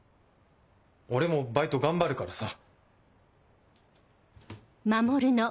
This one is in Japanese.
俺もバイト頑張るからさ。